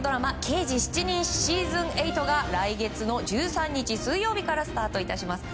「刑事７人」シーズン８が来月の１３日、水曜日からスタート致します。